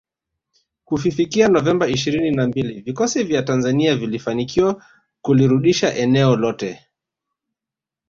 Kufifikia Novemba ishirini na mbili vikosi vya Tanzania vilifanikiwa kulirudisha eneo lote